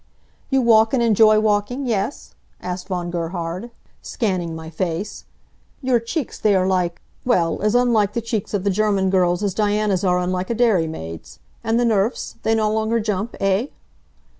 "You walk and enjoy walking, yes?" asked Von Gerhard, scanning my face. "Your cheeks they are like well, as unlike the cheeks of the German girls as Diana's are unlike a dairy maid's. And the nerfs? They no longer jump, eh?"